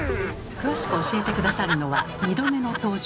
詳しく教えて下さるのは２度目の登場